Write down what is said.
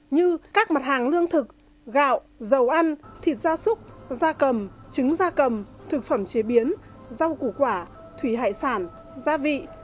như các mặt hàng lương thực gạo dầu ăn thịt da súc da cầm trứng da cầm thực phẩm chế biến rau củ quả thủy hải sản gia vị